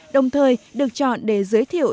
đồng thời được chọn để giới thiệu